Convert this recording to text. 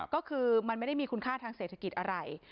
ก็คือมันไม่ได้มีคุณค่าทางเศรษฐกิจอะไร